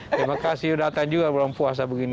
terima kasih sudah datang juga belum puasa begini